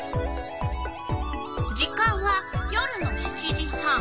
時間は夜の７時半。